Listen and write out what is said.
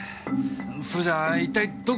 それじゃ一体どこに！